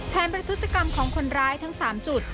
ประทุศกรรมของคนร้ายทั้ง๓จุด